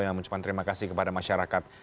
yang mengucapkan terima kasih kepada masyarakat